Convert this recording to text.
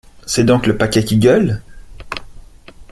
C’est donc le paquet qui gueule!